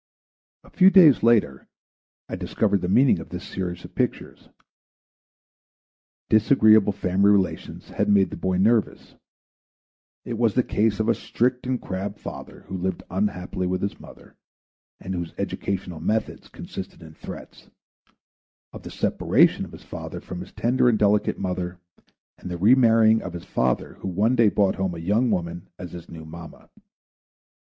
A few days later I discovered the meaning of this series of pictures. Disagreeable family relations had made the boy nervous. It was the case of a strict and crabbed father who lived unhappily with his mother, and whose educational methods consisted in threats; of the separation of his father from his tender and delicate mother, and the remarrying of his father, who one day brought home a young woman as his new mamma.